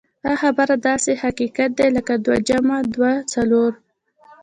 دا خبره داسې حقيقت دی لکه دوه جمع دوه څلور.